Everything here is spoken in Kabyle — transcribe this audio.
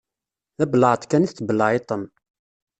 D abelεeṭ kan i tettbelεiṭem.